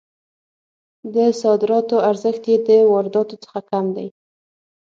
د صادراتو ارزښت یې د وارداتو څخه کم دی.